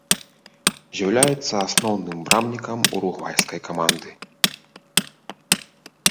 З'яўляецца асноўным брамнікам уругвайскай каманды.